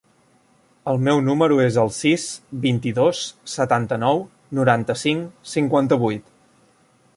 El meu número es el sis, vint-i-dos, setanta-nou, noranta-cinc, cinquanta-vuit.